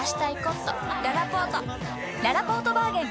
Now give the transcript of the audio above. ららぽーとバーゲン開催！